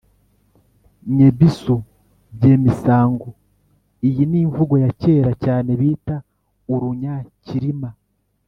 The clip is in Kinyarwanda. Ny’ebisu by’emisango: iyi ni imvugo ya kera cyane bita urunya Cyilima.